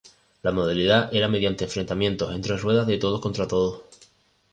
La modalidad era mediante enfrentamientos en tres ruedas de todos contra todos.